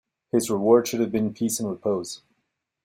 His reward should have been peace and repose.